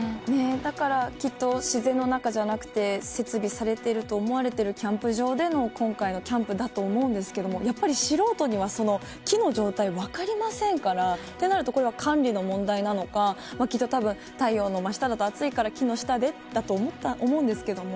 だからきっと自然の中じゃなくて設備されていると思われているキャンプ場での今回のキャンプだと思うんですけどやっぱり素人には木の状態が分かりませんからとなるとこれは管理の問題なのかだけど太陽の真下だと危ないから木の下でだと思うんですけれども。